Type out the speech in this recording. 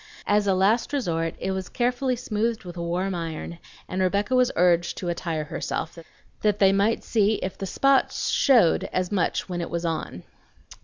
As a last resort, it was carefully smoothed with a warm iron, and Rebecca was urged to attire herself, that they might see if the spots showed as much when it was on.